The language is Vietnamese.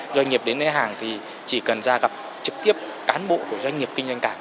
doanh nghiệp đến lấy hàng thì chỉ cần ra gặp trực tiếp cán bộ của doanh nghiệp kinh doanh cảng